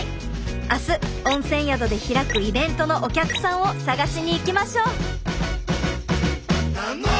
明日温泉宿で開くイベントのお客さんを探しに行きましょう。